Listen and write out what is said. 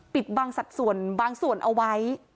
ปิดบางสัตว์ส่วนเอาไว้